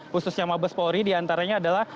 khususnya mabes polri diantaranya adalah